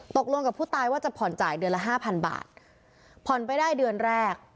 ตกลงกับผู้ตายว่าจะผ่อนจ่ายเดือนละห้าพันบาทผ่อนไปได้เดือนแรก